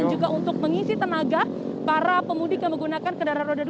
juga untuk mengisi tenaga para pemudik yang menggunakan kendaraan roda dua